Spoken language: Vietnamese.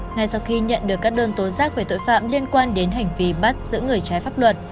ngay sau khi nhận được các đơn tố giác về tội phạm liên quan đến hành vi bắt giữ người trái pháp luật